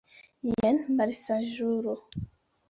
Jen, malsaĝulo!